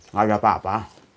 nggak ada apa apa